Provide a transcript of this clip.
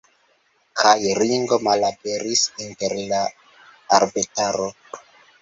Kaj Ringo malaperis inter la arbetaro.